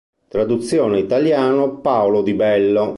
Traduzione Italiano Paolo Di Bello.